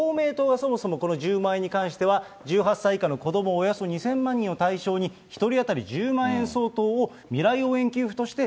そもそもこの１０万円に関しては１８歳以下の子どもおよそ２０００万人を対象に、１人当たり１０万円相当を未来応援給付